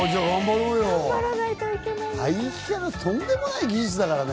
とんでもない技術だからね。